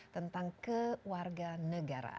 tentang ke warga negara